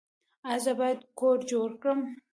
ایا زه باید کور جوړ کړم؟